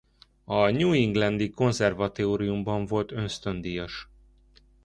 A New England-i Konzervatóriumban volt ösztöndíjas.